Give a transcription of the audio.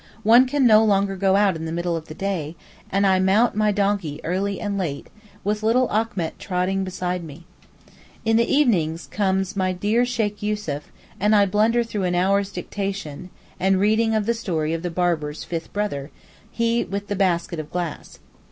One can no longer go out in the middle of the day, and I mount my donkey early and late, with little Achmet trotting beside me. In the evenings comes my dear Sheykh Yussuf, and I blunder through an hour's dictation, and reading of the story of the Barber's fifth brother (he with the basket of glass).